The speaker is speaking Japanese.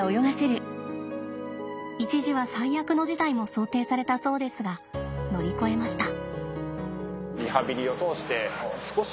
一時は最悪の事態も想定されたそうですが乗り越えました。